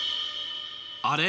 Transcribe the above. あれ？